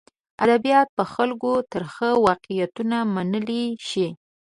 ادبیات په خلکو ترخه واقعیتونه منلی شي.